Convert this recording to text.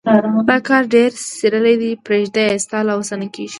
دا کار ډېر څيرلی دی. پرېږده يې؛ ستا له وسه نه کېږي.